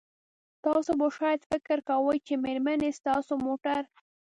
تاسو به شاید فکر کوئ چې میرمنې ستاسو موټر